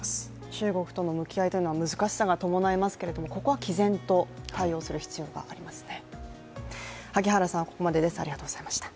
中国との向き合いというのは難しさが伴いますけれどもここはきぜんと対応する必要がありますね。